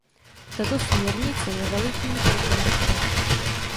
Tato směrnice je velikým krokem vpřed.